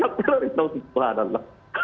tahu sih puan allah